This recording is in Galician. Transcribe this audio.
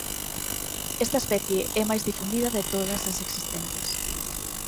Esta especie é máis difundida de todas as existentes.